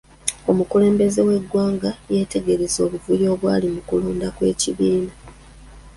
Omukulembeze w'eggwanga yetegereza obuvuyo obwali mu kulonda kw'ekibiina.